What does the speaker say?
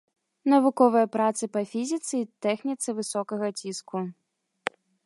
Навуковыя працы па фізіцы і тэхніцы высокага ціску.